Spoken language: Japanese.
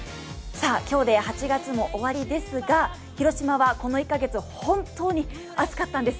今日で８月も終わりですが、広島はこの１か月本当に暑かったんです。